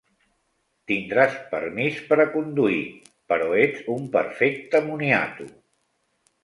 Tindràs permís per a conduir, però ets un perfecte moniato!